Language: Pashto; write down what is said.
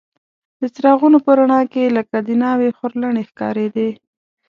د څراغونو په رڼا کې لکه د ناوې خورلڼې ښکارېدې.